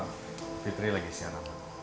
tante maaf fitri lagi siang